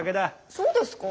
そうですか？